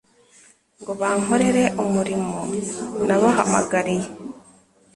ngo bankorere umurimo nabahamagariye